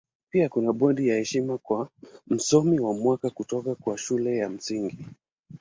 Pia kuna bodi ya heshima kwa Msomi wa Mwaka kutoka kwa Shule ya Msingi.